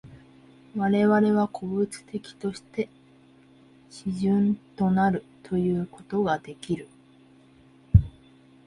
我々は個物的として思惟的となるということができる。